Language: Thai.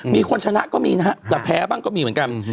มีคนชนะก็มีนะฮะแต่แพ้บ้างก็มีเหมือนกัน